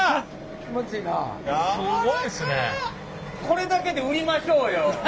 これだけで売りましょうよ。